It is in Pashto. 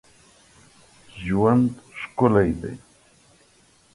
ژوند ښکلی دی.